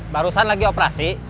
barusan lagi operasi